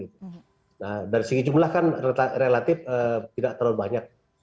nah dari segi jumlah kan relatif tidak terlalu banyak